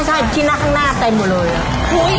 ใช่ที่หน้าทั้งหน้าใต้หมดเลย